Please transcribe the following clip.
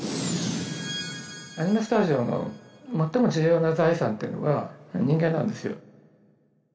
アニメスタジオの最も重要な財産っていうのが人間なんですよ。